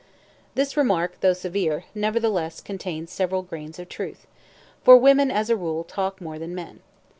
This remark, though severe, nevertheless contains several grains of truth, for women, as a rule, talk more than men.